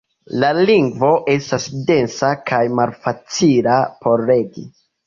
La lingvo estas densa kaj malfacila por legi.